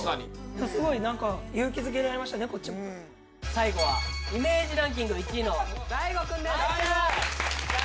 最後はイメージランキング１位の大吾くんです！